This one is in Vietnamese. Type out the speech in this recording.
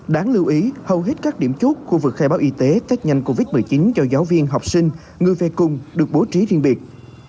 đáng lưu ý hầu hết các điểm chốt khu vực khai báo y tế test nhanh covid một mươi chín cho giáo viên học sinh người về cùng được bố trí riêng biệt